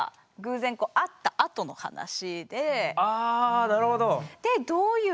あなるほど。